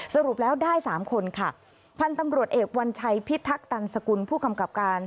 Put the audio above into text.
สรุปแล้วได้สามคนค่ะพันธุ์ตำรวจเอกวัญชัยพิทักตันสกุลผู้กำกับการ